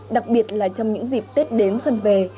đặc biệt là trong những dịp tết đến xuân về